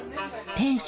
店主